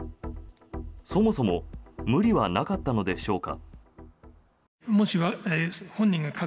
そもそも無理はなかったのでしょうか。